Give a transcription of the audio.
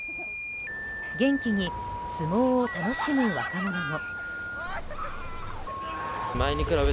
元気に相撲を楽しむ若者も。